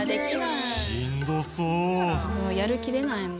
やる気出ないもん。